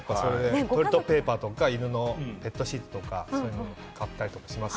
トイレットペーパーとか犬のペットシートとか、そういうのを買ったりします。